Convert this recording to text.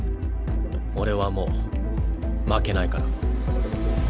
俺はもう負けないから。